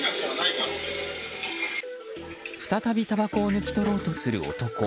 再びたばこを抜き取ろうとする男。